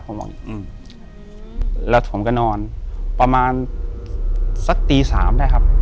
ผมบอกอืมแล้วผมก็นอนประมาณสักตีสามได้ครับ